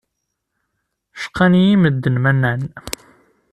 Cqan-iyi medden ma nnan.